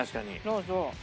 そうそう。